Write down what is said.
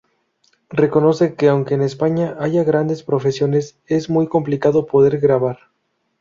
Reconoce que aunque en España haya grandes profesionales es muy complicado poder grabar.